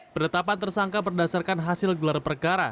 penetapan tersangka berdasarkan hasil gelar perkara